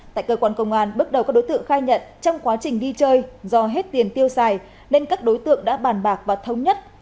tại cơ quan công an bước đầu các đối tượng khai nhận trong quá trình đi chơi do hết tiền tiêu xài nên các đối tượng đã bàn bạc và thống nhất